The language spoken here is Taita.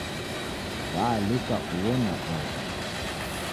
W'aalika uo na oho